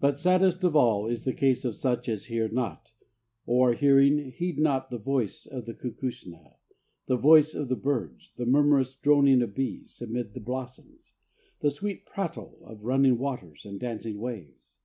But saddest of all is the case of such as hear not, or, hearing, heed not the voice of the Kukushna, the voices of the birds, the murmurous droning of bees amid the blossoms, the sweet prattle of running waters and dancing waves.